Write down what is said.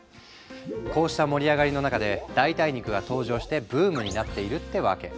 こうした盛り上がりの中で代替肉が登場してブームになっているってわけ。